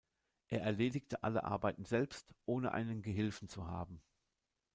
Er erledigte alle Arbeiten selbst, ohne einen Gehilfen zu haben.